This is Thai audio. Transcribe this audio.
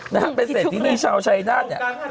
นางเป็นเศรษฐีชาวชายนาศ